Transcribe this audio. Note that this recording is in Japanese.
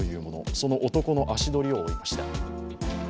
その男の足取りを追いました。